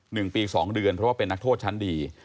หนึ่งปีสองเดือนเพราะว่าเป็นนักโทษชั้นดี